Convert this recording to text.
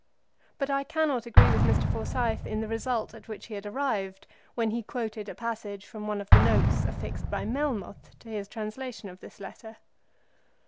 But I cannot agree with Mr. Forsyth in the result at which he had arrived when he quoted a passage from one of the notes affixed by Melmoth to his translation of this letter.